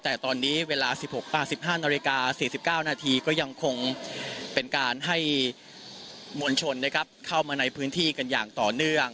แต่ตอนนี้เวลา๑๕นาฬิกา๔๙นาทีก็ยังคงเป็นการให้มวลชนเข้ามาในพื้นที่กันอย่างต่อเนื่อง